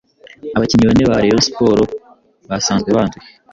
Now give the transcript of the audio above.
Abakinnyi bane ba Rayon Sports basanzwe banduye